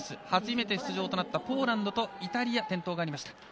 初めて出場となったポーランドとイタリア転倒がありました。